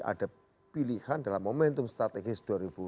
ada pilihan dalam momentum strategis dua ribu dua puluh